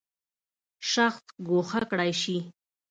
شخص ګوښه کړی شي.